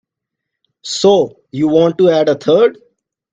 So you want to add a third?